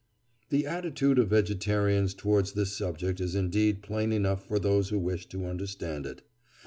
The attitude of vegetarians towards this subject is indeed plain enough for those who wish to understand it.